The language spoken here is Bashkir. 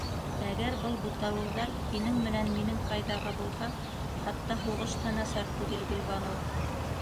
Әгәр был буталыуҙар һинең менән минең файҙаға булһа, хатта һуғыш та насар түгел, Гөлбаныу.